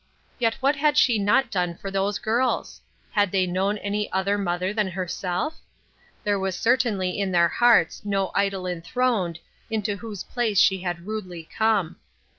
Yet what had she not done for those girls ? Had they known any other mother than herself ? There was cer tainly in their hearts no idol enthroned into whose place she had rudely come.